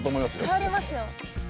変わりますよ。